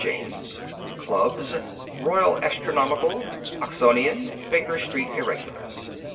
James_). _Clubs: Royal Astronomical, Oxonian, Baker Street Irregulars.